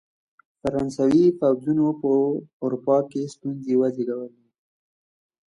فرانسوي پوځیانو په اروپا کې ستونزې وزېږولې.